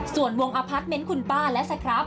ส่วนวงอพาร์ทเมนต์คุณป้าและสครับ